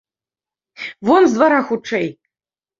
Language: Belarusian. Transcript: Вон з двара хутчэй!